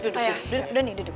duduk doni duduk